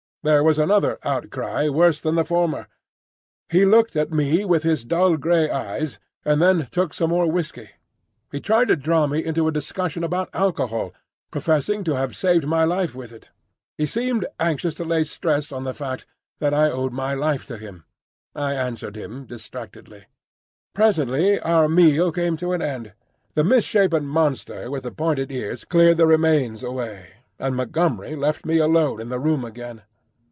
There was another outcry worse than the former. He looked at me with his dull grey eyes, and then took some more whiskey. He tried to draw me into a discussion about alcohol, professing to have saved my life with it. He seemed anxious to lay stress on the fact that I owed my life to him. I answered him distractedly. Presently our meal came to an end; the misshapen monster with the pointed ears cleared the remains away, and Montgomery left me alone in the room again.